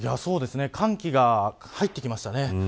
寒気が入ってきましたね。